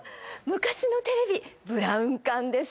昔のテレビブラウン管です